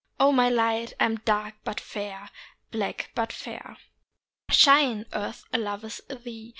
O my light, I am dark but fair, Black but fair. Shine, Earth loves thee!